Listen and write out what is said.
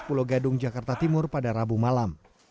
pulau gadung jakarta timur pada rabu malam